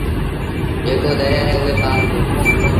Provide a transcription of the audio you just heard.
جيڪو دريآ ري هوئي پآر هُݩدو۔